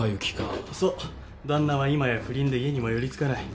旦那は今や不倫で家にも寄り付かない。